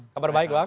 kabar baik bang